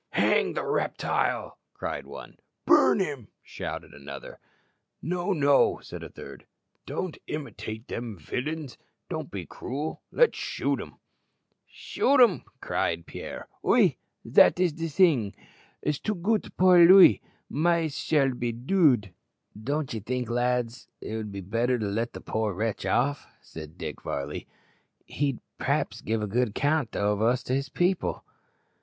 "Hang the reptile!" cried one. "Burn him!" shouted another. "No, no," said a third; "don't imitate them villains: don't be cruel. Let's shoot him." "Shoot 'im," cried Pierre. "Oui, dat is de ting; it too goot pour lui, mais it shall be dooed." "Don't ye think, lads, it would be better to let the poor wretch off?" said Dick Varley; "he'd p'r'aps give a good account o' us to his people."